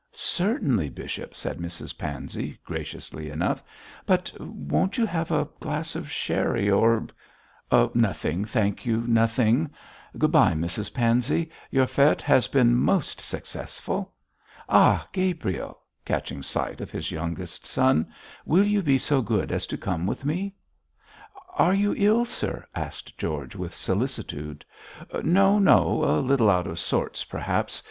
'Certainly, bishop,' said Mrs Pansey, graciously enough, 'but won't you have a glass of sherry or ' 'Nothing, thank you; nothing. Good bye, Mrs Pansey; your fête has been most successful. Ah, Gabriel,' catching sight of his youngest son, 'will you be so good as to come with me?' 'Are you ill, sir?' asked George, with solicitude. 'No, no! a little out of sorts, perhaps.